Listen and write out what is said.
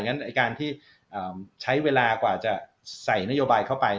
อย่างนั้นการที่ใช้เวลากว่าจะใส่นโยบายเข้าไป